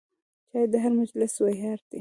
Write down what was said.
چای د هر مجلس ویاړ دی.